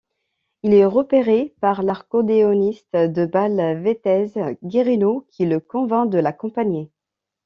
Il est repéré par l'accordéoniste de bal Vetese Guerino qui le convainc de l'accompagner.